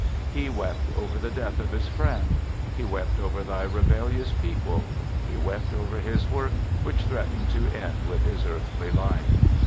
He wept over the death of His friend. He wept over Thy rebellious peo ple. He wept over His work which threatened to end with His earthly life.